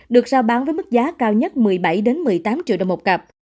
được giao bán với mức giá cao nhất một mươi bảy một mươi tám triệu đồng một cặp